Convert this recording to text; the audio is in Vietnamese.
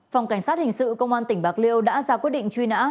phòng cảnh sát hình sự công an tỉnh bạc liêu đã ra quyết định truy nã